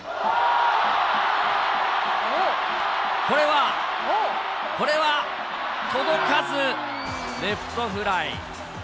これは、これは、届かずレフトフライ。